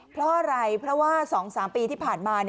เพราะอะไรเพราะว่า๒๓ปีที่ผ่านมา